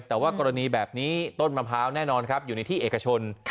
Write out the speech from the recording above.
แต่ว่ากรณีแบบนี้ต้นมะพร้าวแน่นอนครับอยู่ในที่เอกชน